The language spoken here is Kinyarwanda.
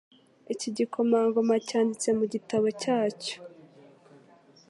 Iki gikomangoma cyanditse mu gitabo cyacyo